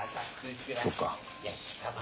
そっか。